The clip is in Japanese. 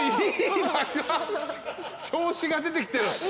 調子が出てきてる。